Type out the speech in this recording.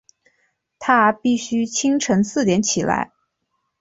她必须清晨四点起来